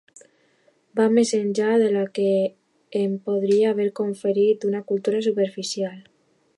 Va més enllà de la que em podria haver conferit una cultura superficial.